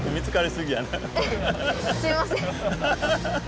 すいません。